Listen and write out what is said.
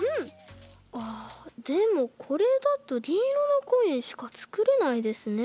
あっでもこれだとぎんいろのコインしかつくれないですね。